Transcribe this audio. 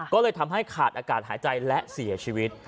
ก็เลยทำให้ขาดอากาศหายใจและเสียชีวิต